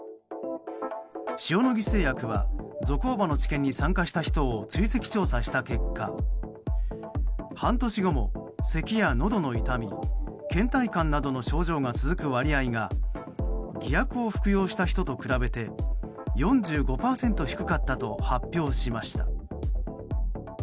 塩野義製薬はゾコーバの治験に参加した人を追跡調査した結果半年後も、せきや、のどの痛み倦怠感などの症状が続く割合が偽薬を服用した人と比べて４５％低かったと発表しました。